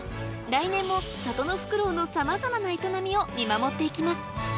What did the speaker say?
来年も里のフクロウのさまざまな営みを見守って行きます